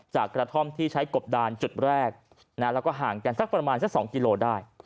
กระท่อมที่ใช้กบดานจุดแรกแล้วก็ห่างกันสักประมาณสัก๒กิโลได้